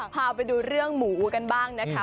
พาไปดูเรื่องหมูกันบ้างนะคะ